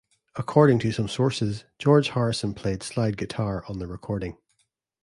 According to some sources George Harrison played slide guitar on the recording.